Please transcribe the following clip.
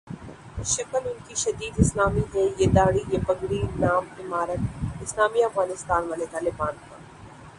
شکل انکی شدید اسلامی ہے ، یہ دھاڑی ، یہ پگڑی ، نام امارت اسلامیہ افغانستان والے طالبان کا ۔